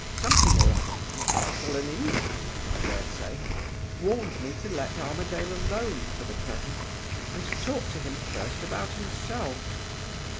Something or other what they call an instinct, I dare say warned me to let Armadale alone for the present, and to talk to him first about himself.